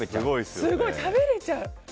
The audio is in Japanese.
すごい、食べられちゃう。